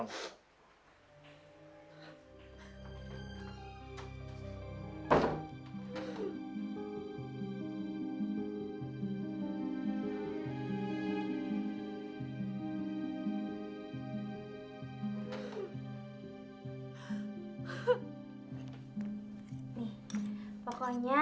ngus bentar aja